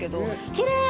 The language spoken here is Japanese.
きれーい。